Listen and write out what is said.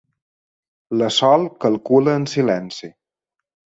La Sol calcula en silenci.